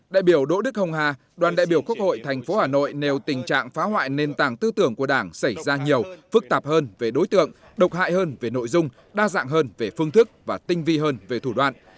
đại biểu đỗ đức hồng hà đoàn đại biểu quốc hội tp hà nội nêu tình trạng phá hoại nền tảng tư tưởng của đảng xảy ra nhiều phức tạp hơn về đối tượng độc hại hơn về nội dung đa dạng hơn về phương thức và tinh vi hơn về thủ đoạn